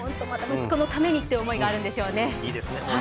息子のためにっていう思いがあるんでしょうね。